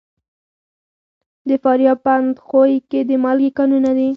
د فاریاب په اندخوی کې د مالګې کانونه دي.